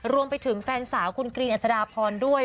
รวมไปถึงแฟนสาวคุณกรีนอัศดาพรด้วย